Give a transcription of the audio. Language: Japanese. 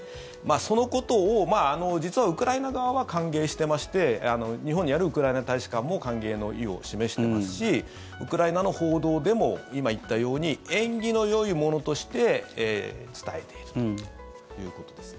そのことを、実はウクライナ側は歓迎してまして日本にあるウクライナ大使館も歓迎の意を示してますしウクライナの報道でも今言ったように縁起のよいものとして伝えているということです。